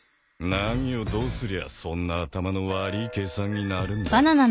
何をどうすりゃそんな頭の悪い計算になるんだよ。